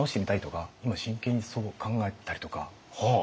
今真剣にそう考えたりとか。